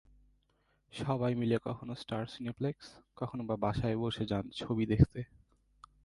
সবাই মিলে কখনো স্টার সিনেপ্লেক্স, কখনোবা বাসায় বসে যান ছবি দেখতে।